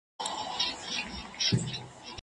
ده لـه زړه څـخه وتـلې